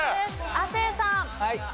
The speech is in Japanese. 亜生さん。